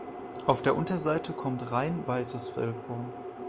Auf der Unterseite kommt rein weißes Fell vor.